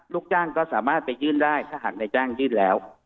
ลูกจ้างก็สามารถไปยื่นได้ถ้าหากในจ้างยื่นแล้ว